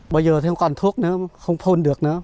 bây giờ thì không còn thuốc nữa không phôn được nữa